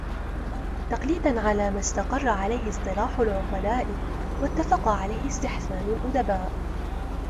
تَقْلِيدًا عَلَى مَا اسْتَقَرَّ عَلَيْهِ اصْطِلَاحُ الْعُقَلَاءِ ، وَاتَّفَقَ عَلَيْهِ اسْتِحْسَانُ الْأُدَبَاءِ